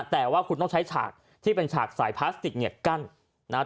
แต่ว่าคุณต้องใช้ฉากที่เป็นฉากสายพลาสติกเหงียบกั้นนะครับ